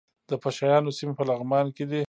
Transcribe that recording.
د پشه یانو سیمې په لغمان کې دي